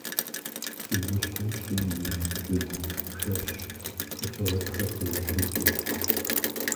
ЩӀыгулъыр - щӀым и щыгу пшэрщ, къэкӀыгъэхэр къызытекӀэщ.